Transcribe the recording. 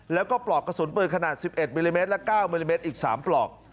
แล้วก็ปลอกกระสุนปืนขนาดสิบเอ็ดมิลลิเมตรและเก้ามิลลิเมตรอีกสามปลอก